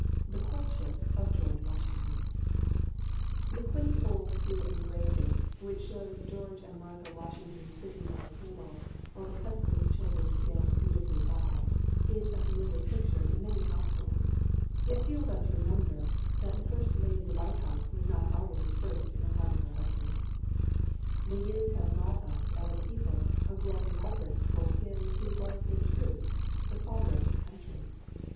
The Courtship of George Washington The quaint old steel engraving which shows George and Martha Washington sitting by a table, while the Custis children stand dutifully by, is a familiar picture in many households, yet few of us remember that the first Lady of the White House was not always first in the heart of her husband. The years have brought us, as a people, a growing reverence for him who was in truth the "Father of His Country."